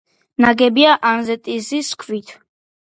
ნაგებია ანდეზიტის ქვით.